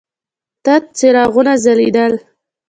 تت څراغونه ځلېدل.